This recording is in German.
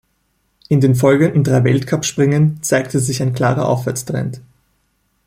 In den folgenden drei Weltcup-Springen zeigte sich ein klarer Aufwärtstrend.